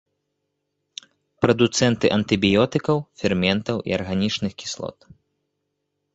Прадуцэнты антыбіётыкаў, ферментаў і арганічных кіслот.